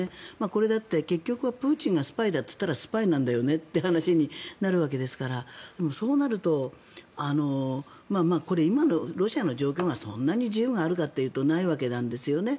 これだって結局はプーチンがスパイだと言ったらスパイなんだよねという話になるわけですからそうなるとこれ、今のロシアの状況がそんなに自由があるかというとないわけなんですね。